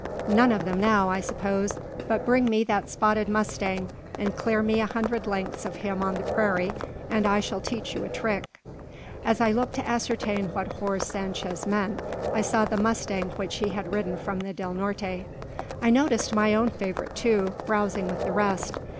"None of them now, I suppose; but bring me that spotted mustang, and clear me a hundred lengths of him on the prairie, and I shall teach you a trick." As I looked to ascertain what horse Sanchez meant, I saw the mustang which he had ridden from the Del Norte. I noticed my own favourite, too, browsing with the rest.